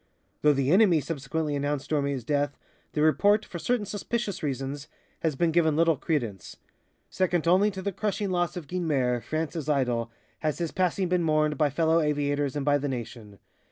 Though the enemy subsequently announced Dormé's death, the report, for certain suspicious reasons, has been given little credence. "Second only to the crushing loss of Guynemer, France's idol," has his passing been mourned by fellow aviators and by the nation.